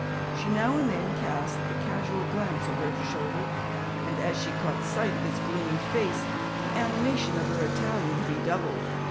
She now and then cast a casual glance over her shoulder, and as she caught sight of his gloomy face the animation of her Italian redoubled.